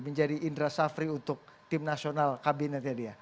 menjadi indra safri untuk tim nasional kabinetnya dia